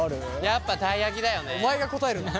やっぱたい焼きだよね。